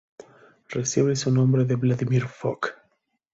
Recibe su nombre de Vladimir Fock.